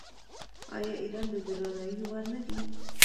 آیا ایران د درناوي وړ نه دی؟